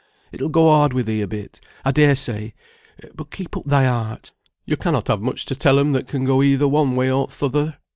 It'll go hard with thee a bit, I dare say; but keep up thy heart. Yo cannot have much to tell 'em, that can go either one way or th' other.